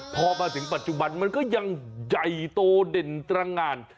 พอมาถึงปัจจุบันมันก็ยังใหญ่โตเด่นตรงาน